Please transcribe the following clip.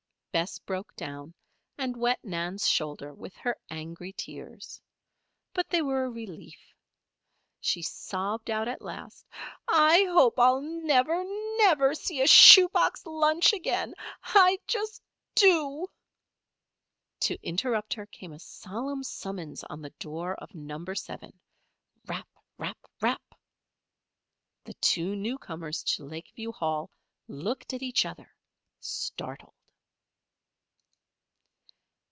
Bess broke down and wet Nan's shoulder with her angry tears. But they were a relief. She sobbed out at last: "I hope I'll never, never see a shoe box lunch again! I just do " To interrupt her came a solemn summons on the door of Number Seven rap, rap, rap! The two newcomers to Lakeview Hall looked at each other, startled.